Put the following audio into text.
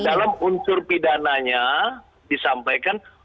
dalam unsur pidananya disampaikan